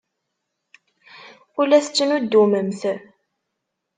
Ur la tettnuddumemt.